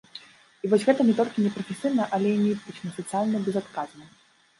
І вось гэта не толькі не прафесійна, але і не этычна, сацыяльна безадказна.